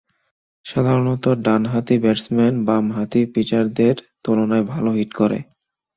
সাধারণত, ডান-হাতি ব্যাটসম্যান বাম-হাতি পিচারদের তুলনায় ভালো হিট করে।